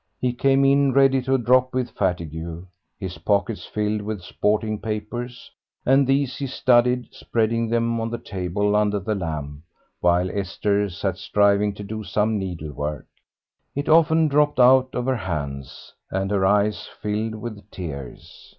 He came in ready to drop with fatigue, his pockets filled with sporting papers, and these he studied, spreading them on the table under the lamp, while Esther sat striving to do some needlework. It often dropped out of her hands, and her eyes filled with tears.